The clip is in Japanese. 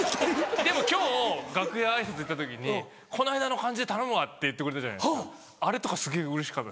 でも今日楽屋挨拶行った時に「この間の感じで頼むわ」って言ってくれたじゃないですかあれとかすげぇうれしかった。